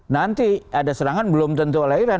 nanti ada serangan belum tentu oleh iran